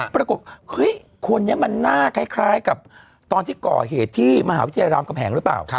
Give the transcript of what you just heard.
ปรากฏคนนี้มันน่าคล้ายกับตอนที่เกาะเหตุที่มหาวิทยาลัยรามกำแหงรึเปล่า